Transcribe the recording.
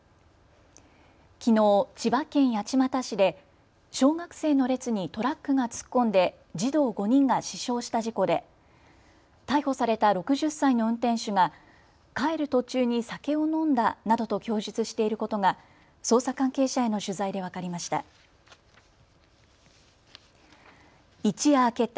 きのう千葉県八街市で小学生の列にトラックが突っ込んで児童５人が死傷した事故で逮捕された６０歳の運転手が帰る途中に酒を飲んだなどと供述していることが捜査関係者への取材で分かりました。